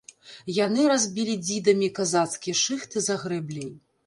Яны разбілі дзідамі казацкія шыхты за грэбляй.